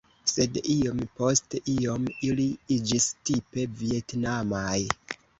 Sed iom post iom ili iĝis tipe vjetnamaj.